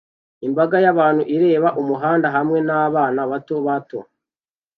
Imbaga y'abantu ireba umuhanda hamwe nabana bato bato